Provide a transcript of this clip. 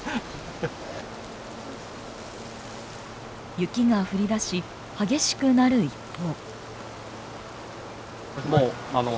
雪が降りだし激しくなる一方。